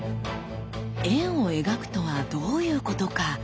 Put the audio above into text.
円を描くとはどういうことか。